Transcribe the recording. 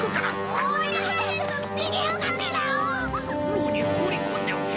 牢に放り込んでおけ。